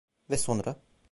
Ve sonra...